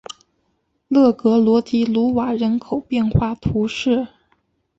勒格罗迪鲁瓦人口变化图示